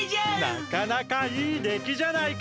なかなかいいできじゃないか。